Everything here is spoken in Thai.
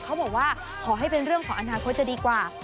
เขาบอกว่าขอให้เป็นเรื่องของอนาคตจะดีกว่า